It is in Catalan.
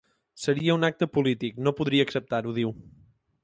Seria un acte polític, no podria acceptar-ho, diu.